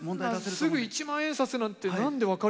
すぐ一万円札なんて何で分かるんですか？